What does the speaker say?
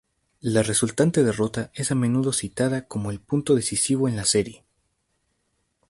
La resultante derrota es a menudo citada como el punto decisivo en la serie.